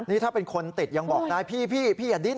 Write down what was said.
นี่ถ้าเป็นคนติดยังบอกได้พี่พี่อย่าดิ้น